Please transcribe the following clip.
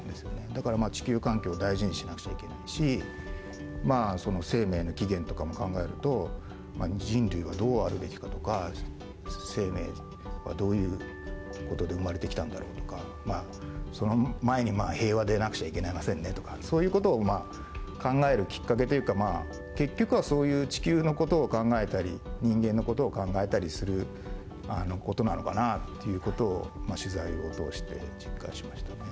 だから地球環境を大事にしなくちゃいけないしまあ生命の起源とかも考えると人類はどうあるべきかとか生命はどういう事で生まれてきたんだろうとかその前に平和でなくちゃいけませんねとかそういう事を考えるきっかけというか結局はそういう地球の事を考えたり人間の事を考えたりする事なのかなっていう事を取材を通して実感しましたね。